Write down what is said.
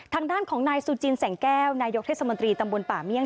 ทางด้านของนายซูจินแสงแก้วนายกเทศมนตรีตำบลป่าเมี่ยง